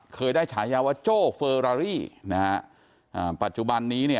เคยได้ฉายาว่าโจ้เฟอรารี่นะฮะอ่าปัจจุบันนี้เนี่ย